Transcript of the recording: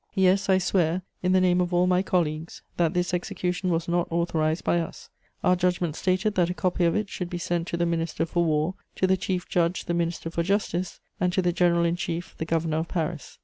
"Yes, I swear, in the name of all my colleagues, that this execution was not authorized by us: our judgment stated that a copy of it should be sent to the Minister for War, to the Chief Judge the Minister for Justice, and to the General in Chief the Governor of Paris.